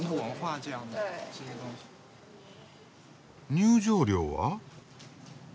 入場料は？